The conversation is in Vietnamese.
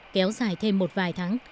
kéo dài thêm một vài tháng